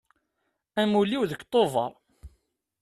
Amulli-iw deg Tuber.